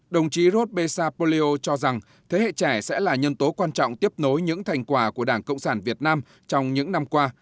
đồng chí ros pesapoleo cho rằng thế hệ trẻ sẽ là nhân tố quan trọng tiếp nối những thành quả của đảng cộng sản việt nam trong những năm qua